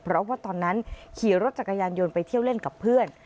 เพราะว่าตอนนั้นขี่รถจักรยานยนต์ไปเที่ยวเล่นกับเพื่อน